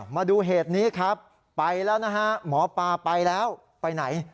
มาดูเหตุนี้ครับไปแล้วนะฮะหมอปลาไปแล้วไปไหน